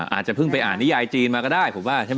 อาจจะเพิ่งไปอ่านนิยายจีนมาก็ได้ผมว่าใช่ไหม